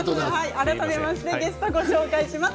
改めましてゲストをご紹介します。